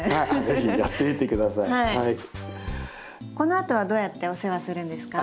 このあとはどうやってお世話するんですか？